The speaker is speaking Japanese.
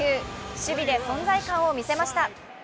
守備で存在感を見せました。